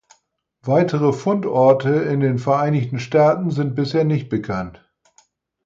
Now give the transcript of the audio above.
Weitere Fundorte in den Vereinigten Staaten sind bisher nicht bekannt.